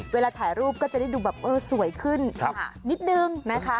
เวลาถ่ายรูปก็จะดูสวยขึ้นนิดนึง